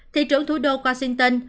thị trưởng thủ đô washington